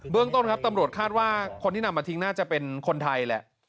เรื่องต้นครับตำรวจคาดว่าคนที่นำมาทิ้งน่าจะเป็นคนไทยแหละ